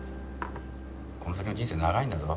この先の人生長いんだぞ。